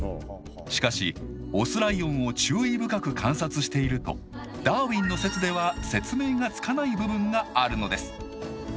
しかしオスライオンを注意深く観察しているとダーウィンの説では説明がつかない部分があるのです。